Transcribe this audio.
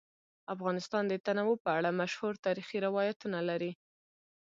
افغانستان د تنوع په اړه مشهور تاریخی روایتونه لري.